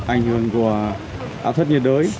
ảnh hưởng của áo thất nhiệt đới